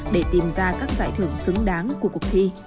để tìm ra các giải thưởng xứng đáng của cuộc thi